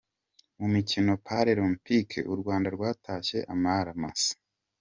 Mu mikino Paralempiki u Rwanda rwatashye amara masa